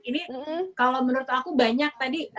ini kalau menurut aku banyak tadi